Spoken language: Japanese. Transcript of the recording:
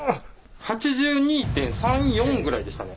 ８２．３８２．４ぐらいでしたね。